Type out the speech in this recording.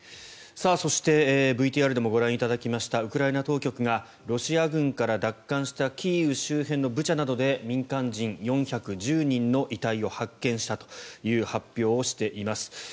そしてＶＴＲでもご覧いただきましたウクライナ当局がロシア軍から奪還したキーウ周辺のブチャなどで民間人４１０人の遺体を発見したという発表をしています。